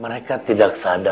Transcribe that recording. mereka tidak sadar